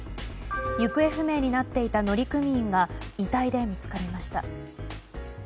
行方不明になっていた乗組員が遺体で見つかりました。